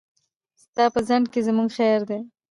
ستا په ځنډ کې زموږ خير دی.